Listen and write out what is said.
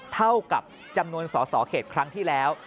เท่ากับจำนวนสอสอเขตครั้งที่แล้ว